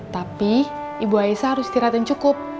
tapi ibu aisyah harus tiratin cukup